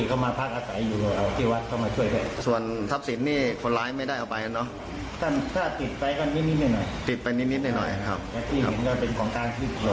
จำได้อาจจะมาดินหมวกกันรอบของมา